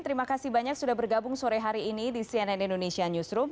terima kasih banyak sudah bergabung sore hari ini di cnn indonesia newsroom